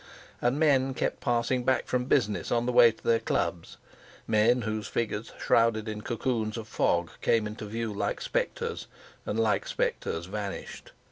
And men kept passing back from business on the way to their clubs—men whose figures shrouded in cocoons of fog came into view like spectres, and like spectres vanished.